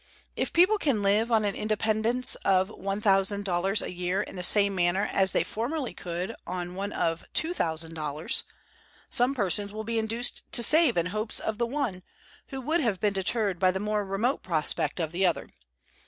If people can live on an independence of [$1,000] a year in the same manner as they formerly could on one of [$2,000], some persons will be induced to save in hopes of the one, who would have been deterred by the more remote prospect of the other.